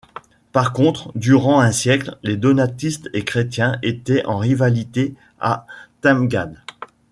Par contre, durant un siècle, les donatistes et chrétiens étaient en rivalité à Timgad.